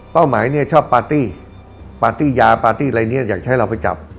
เป้าหมายชอบปาร์ตี้ปาร์ตี้ยาปาร์ตี้อะไรอยากใช้เราไปจับ